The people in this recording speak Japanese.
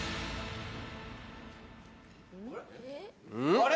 ・あれ？